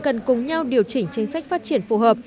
cần cùng nhau điều chỉnh chính sách phát triển phù hợp